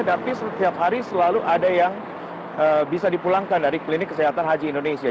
tapi setiap hari selalu ada yang bisa dipulangkan dari klinik kesehatan haji indonesia